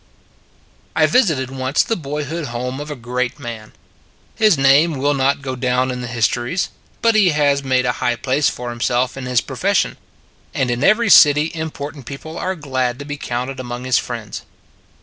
I VISITED once the boyhood home of a great man. His name will not go down in the his tories, but he has made a high place for himself in his profession; and in every city important people are glad to be counted among his friends.